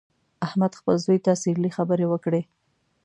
احمد خپل زوی ته څیرلې خبرې وکړې.